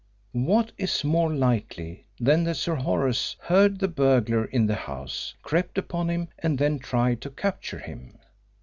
What is more likely than that Sir Horace heard the burglar in the house, crept upon him, and then tried to capture him?